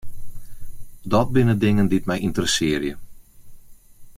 Dat binne dingen dy't my ynteressearje.